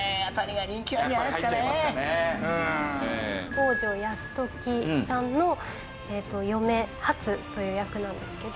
北条泰時さんの嫁初という役なんですけど。